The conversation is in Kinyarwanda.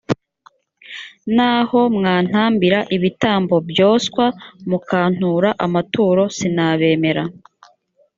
naho mwantambira ibitambo byoswa mukantura amaturo sinabemera